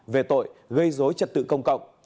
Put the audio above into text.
về tội gây dối trật tự công cộng